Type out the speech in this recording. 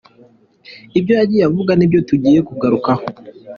Ibyo yagiye avuga nibyo tugiye kugarukaho.